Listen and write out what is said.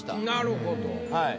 なるほど。